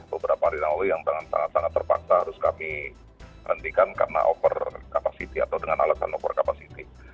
beberapa hari lalu yang sangat sangat terpaksa harus kami hentikan karena over capacity atau dengan alasan over capacity